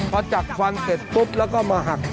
พอจับฟันเสร็จปุ๊บแล้วก็มาหัก